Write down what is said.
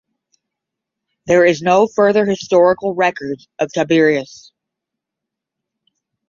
There is no further historical record of Tiberius.